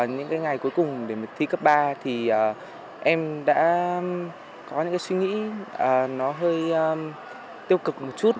những ngày cuối cùng để thi cấp ba thì em đã có những suy nghĩ nó hơi tiêu cực một chút